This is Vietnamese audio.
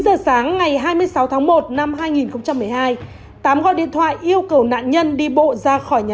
chín giờ sáng ngày hai mươi sáu tháng một năm hai nghìn một mươi hai tám gọi điện thoại yêu cầu nạn nhân đi bộ ra khỏi nhà